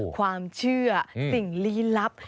ความเชื่อสิ่งลี้ลับ